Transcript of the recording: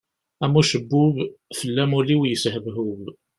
Am ucebbub, fell-am ul-iw yeshebhub.